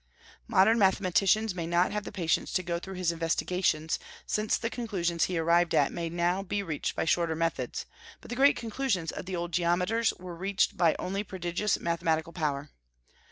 Modern mathematicians may not have the patience to go through his investigations, since the conclusions he arrived at may now be reached by shorter methods; but the great conclusions of the old geometers were reached by only prodigious mathematical power.